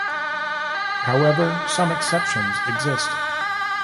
However some exceptions exist.